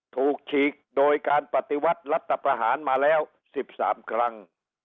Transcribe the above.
ฉีกโดยการปฏิวัติรัฐประหารมาแล้ว๑๓ครั้ง